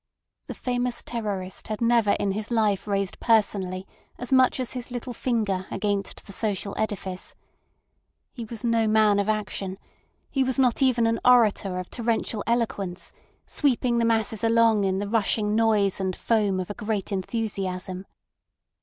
The famous terrorist had never in his life raised personally as much as his little finger against the social edifice. He was no man of action; he was not even an orator of torrential eloquence, sweeping the masses along in the rushing noise and foam of a great enthusiasm.